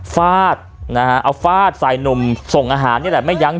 ฟาดเอาฟาดใส่หนุ่มส่งอาหารไม่ยั้ง